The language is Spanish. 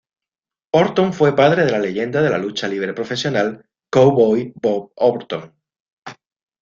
Orton fue padre de la leyenda de la lucha libre profesional "Cowboy" Bob Orton.